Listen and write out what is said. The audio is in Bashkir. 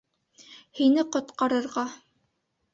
Һине ҡотҡарырға!